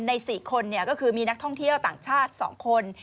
ใน๔คนก็คือมีนักท่องเที่ยวต่างชาติ๒คน